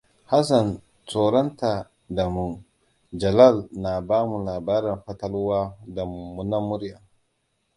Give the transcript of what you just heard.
Hassan tsoratan da mu, Jalal na bamu labaran fatalwa da mumunan murya.